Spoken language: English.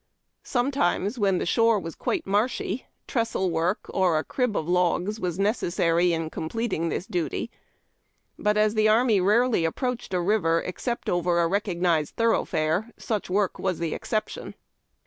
Sometimes, when tlie shore was quite marshy, trestle work or a crib of logs was necessary in completing this duty, but, as the army rarely appi'oached a river except over a recognized thoroughfare, such work was the exception.